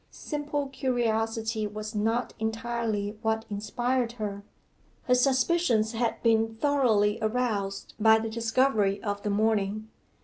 Simple curiosity was not entirely what inspired her. Her suspicions had been thoroughly aroused by the discovery of the morning.